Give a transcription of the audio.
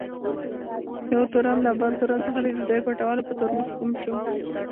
یو تورن له بل تورن څخه د ډوډۍ پټولو په تور محکوم شو.